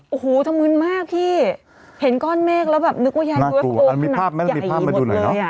โอ้โหทำมืนมากพี่เห็นก้อนเมฆแล้วแบบนึกว่ายายด้วย